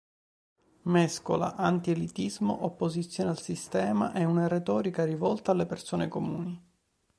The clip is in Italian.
Mescola anti-elitismo, opposizione al sistema e una retorica rivolta alle persone comuni.